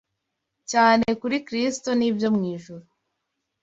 cyane kuri Kristo n’ibyo mu ijuru